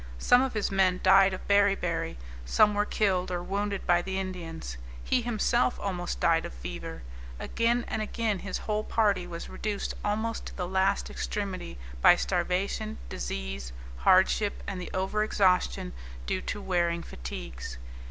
Some of his men died of beriberi; some were killed or wounded by the Indians; he himself almost died of fever; again and again his whole party was reduced almost to the last extremity by starvation, disease, hardship, and the over exhaustion due to wearing fatigues.